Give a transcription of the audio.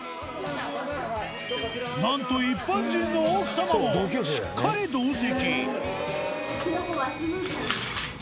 なんと一般人の奥様もしっかり同席。